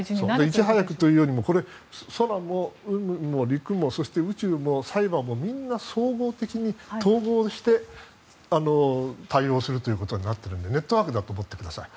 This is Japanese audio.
いち早くということよりも空も海もそして宇宙もサイバーもみんな総合的に統合して対応するということになっているのでネットワークだと思ってください。